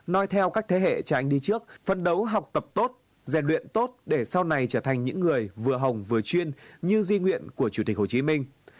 nói theo các thế hệ trà anh đi trước phân đấu học tập tốt dạy luyện tốt để sau này trở thành những người vừa hồng vừa chuyên như di nguyện của chủ tịch hồ chí minh